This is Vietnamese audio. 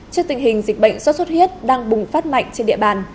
trước tình hình dịch bệnh xuất xuất hiết đang bùng phát mạnh trên địa bàn